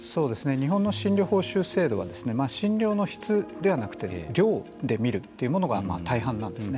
日本の診療報酬制度は診療の質ではなくて量で見るというものが大半なんですね。